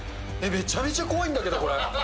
めちゃめちゃ怖いんだけど、これ。